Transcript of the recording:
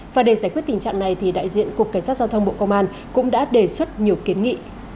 và để giải quyết tình trạng này thì đại diện cục cảnh sát giao thông bộ công an cũng đã đề xuất nhiều kiến nghị